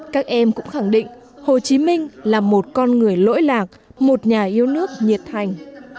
các em cũng khẳng định hồ chí minh là một con người lỗi lạc một nhà yêu nước nhiệt thành